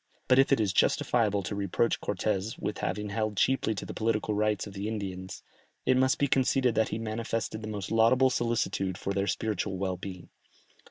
But if it is justifiable to reproach Cortès with having held cheaply the political rights of the Indians, it must be conceded that he manifested the most laudable solicitude for their spiritual well being.